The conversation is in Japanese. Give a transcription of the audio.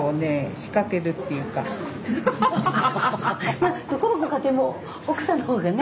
まあどこのご家庭も奥さんの方がね